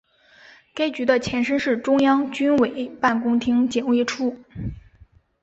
该局的前身是中央军委办公厅警卫处。